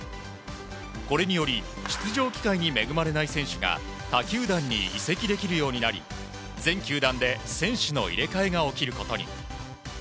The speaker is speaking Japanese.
これにより出場機会に恵まれない選手が他球団に移籍できるようになり全球団で選手の入れ替えが起きることに。